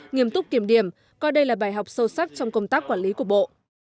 nghiêm túc kiểm điểm coi đây là bài học sâu sắc trong công tác quản lý của bộ